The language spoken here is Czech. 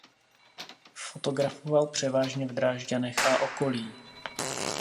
Fotografoval převážně v Drážďanech a okolí.